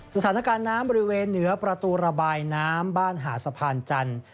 สถานการณ์น้ำบริเวณเหนือประตูระบายน้ำบ้านหาดสะพานจันทร์